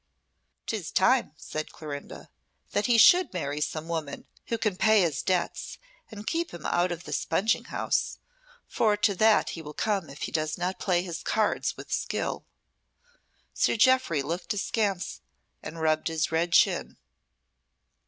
"'Tis time," said Clorinda, "that he should marry some woman who can pay his debts and keep him out of the spunging house, for to that he will come if he does not play his cards with skill." Sir Jeoffry looked at her askance and rubbed his red chin.